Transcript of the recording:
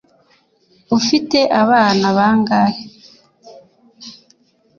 Ufite abana bangahe